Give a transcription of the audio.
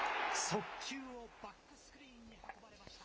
速球をバックスクリーンに運ばれました。